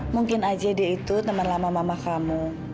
mungkin aja dia itu teman lama mama kamu